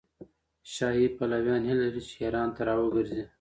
شاهي پلویان هیله لري چې ایران ته راوګرځي.